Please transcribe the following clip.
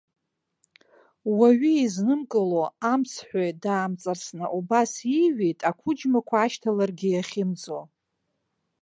Уаҩы изнымкыло, амцҳәаҩ даамҵарсны, убас иҩит, ақәыџьмақәа ашьҭаларгьы иахьымӡо.